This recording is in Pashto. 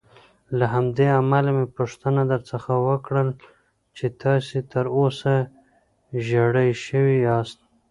له همدې امله مې پوښتنه درڅخه وکړل چې تاسې تراوسه ژېړی شوي یاست.